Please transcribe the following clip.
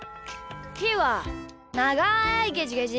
ひーはながいゲジゲジ。